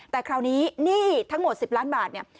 แต่คราวนี้หนี้ทั้งหมด๑๐ล้านบาทเนี่ย